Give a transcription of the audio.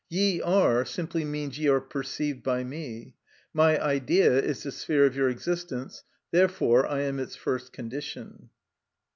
Ye are simply means ye are perceived by me. My idea is the sphere of your existence; therefore I am its first condition.